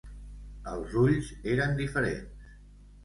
Els ulls eren diferents.